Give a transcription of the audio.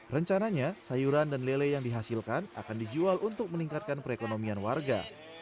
rencananya sayuran dan lele yang dihasilkan akan dijual untuk meningkatkan perekonomian warga